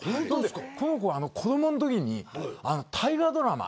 この子は子どものときに大河ドラマ